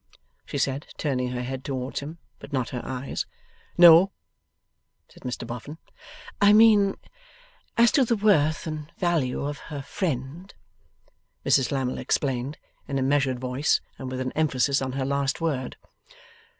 she said, turning her head towards him, but not her eyes. 'No,' said Mr Boffin. 'I mean, as to the worth and value of her friend,' Mrs Lammle explained, in a measured voice, and with an emphasis on her last word.